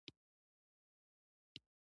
د قانون مراعات کول د هر وګړي مسؤلیت دی.